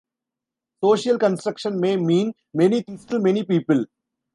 "Social construction" may mean many things to many people.